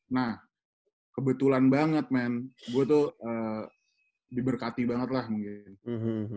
nah kebetulan banget man gue tuh diberkati banget lah mungkin